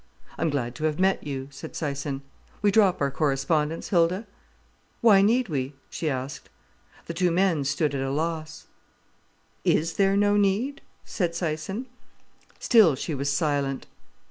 "I'm glad to have met you," said Syson. "We drop our correspondence, Hilda?" "Why need we?" she asked. The two men stood at a loss. "Is there no need?" said Syson. Still she was silent.